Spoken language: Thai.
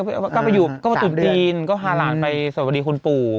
ใช่ค่ะก็ติดดีนก็พาหลานไปสวัสดีคุณปู่